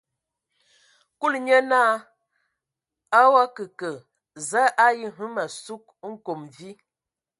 Kúlu nye naa: A o akǝ kə, za a ayi hm ma sug nkom vi?